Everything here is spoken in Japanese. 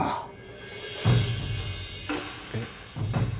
えっ。